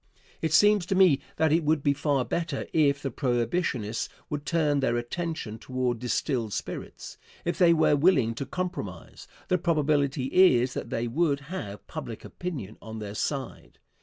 It seems to me that it would be far better if the Prohibitionists would turn their attention toward distilled spirits. If they were willing to compromise, the probability is that they would have public opinion on their side.